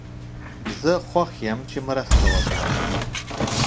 زه خوښ یم چې مرسته وکړم.